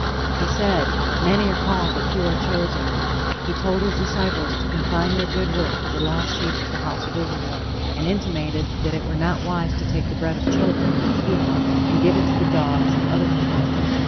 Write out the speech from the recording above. He said: "Many are called but few are chosen;" he told his disciples to confine their good work to the lost sheep of the House of Israel, and intimated that it were not wise to take the bread of children (his people) and give it to the dogs (other people).